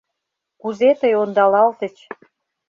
Кузе тый ондалатыч.